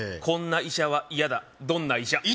こんな医者は嫌だどんな医者？